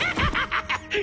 ハハハハ！